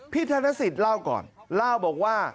พี่ธนสิตเล่าก่อนเล่าบอกว่า